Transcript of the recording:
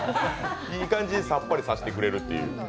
いい感じにさっぱりさせてくれるという。